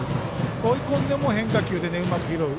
追い込んでも変化球でうまく拾う。